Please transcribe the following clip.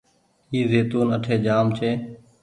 اي زيتونٚ اٺي جآم ڇي۔